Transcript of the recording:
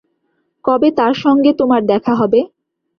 কবে তাঁর সঙ্গে তোমার দেখা হবে?